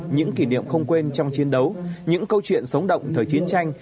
những kỷ niệm không quên trong chiến đấu những câu chuyện sống động thời chiến tranh